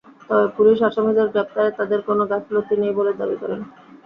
তবে পুলিশ আসামিদের গ্রেপ্তারে তাদের কোনো গাফিলতি নেই বলে দাবি করেছে।